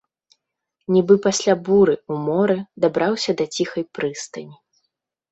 Нібы пасля буры ў моры дабраўся да ціхай прыстані.